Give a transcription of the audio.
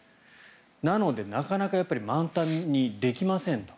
なのでなかなか満タンにできませんと。